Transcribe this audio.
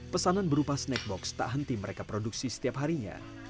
pesanan berupa snack box tak henti mereka produksi setiap harinya